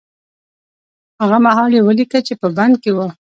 هغه مهال يې وليکه چې په بند کې و.